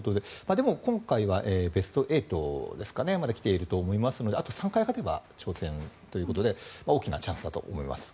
でも、今回はベスト８まで来ていると思いますのであと３回勝てば挑戦ということで大きなチャンスだと思います。